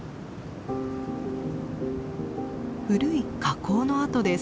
古い火口の跡です。